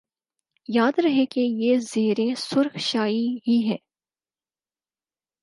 یاد رہے کہ یہ زیریں سرخ شعاعیں ہی ہیں